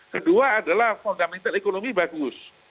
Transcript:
kedua adalah fundamental ekonomi bagus